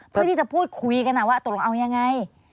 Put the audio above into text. เพื่อที่จะพูดคุยกันว่าตกลงเอายังไง